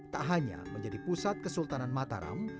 tak hanya menjadi pusat kesultanan mataram